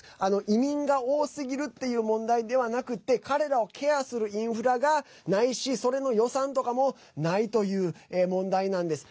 移民が多すぎるっていう問題ではなくて彼らをケアするインフラがないしそれの予算とかもないという問題なんです。